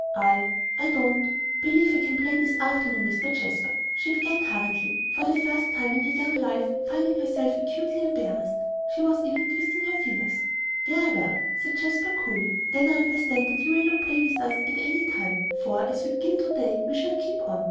"I I don't believe I can play this morning, Mr. Jasper," she began hurriedly, for the first time in her young life finding herself actually embarrassed. She was even twisting her fingers. "Very well," said Jasper, coolly, "then I understand that you will not play with us at any time, for, as we begin to day, we shall keep on.